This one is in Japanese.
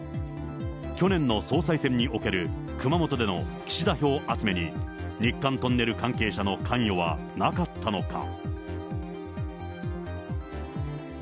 去年の総裁選における熊本での岸田票集めに、日韓トンネル関係者の関与はなかったのか。